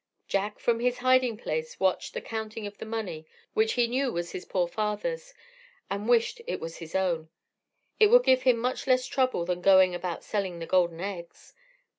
Jack from his hiding place watched the counting of the money, which he knew was his poor father's, and wished it was his own; it would give him much less trouble than going about selling the golden eggs.